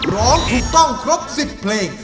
ร้องถูกต้องครบ๑๐เพลง